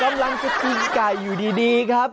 กำลังจะกินไก่อยู่ดีครับ